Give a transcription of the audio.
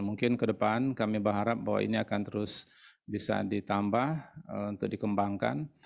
mungkin ke depan kami berharap bahwa ini akan terus bisa ditambah untuk dikembangkan